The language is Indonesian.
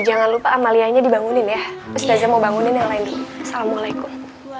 jangan lupa amalia nya dibangunin ya sudah mau bangunin yang lain assalamualaikum